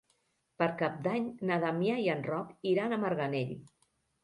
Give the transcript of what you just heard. Per Cap d'Any na Damià i en Roc iran a Marganell.